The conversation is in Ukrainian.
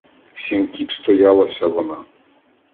Сім кіп стоялася вона.